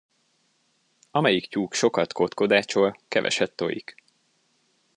Amelyik tyúk sokat kotkodácsol, keveset tojik.